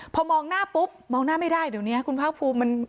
พอมองหน้าปุ๊บมองหน้าไม่ได้เดี๋ยวนี้คุณภาคภูมิ